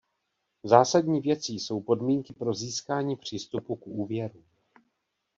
Zásadní věcí jsou podmínky pro získání přístupu k úvěru.